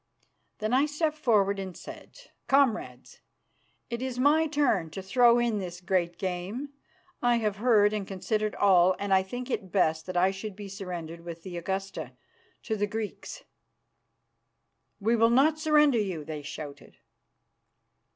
Then I stepped forward and said, "Comrades, it is my turn to throw in this great game. I have heard and considered all, and I think it best that I should be surrendered, with the Augusta, to the Greeks." "We will not surrender you," they shouted.